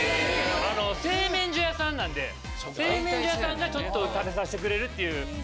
製麺所屋さんなんで製麺所屋さんがちょっと食べさせてくれるっていう。